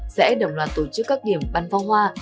sẽ đồng loạt tổ chức các điểm băn phong hoa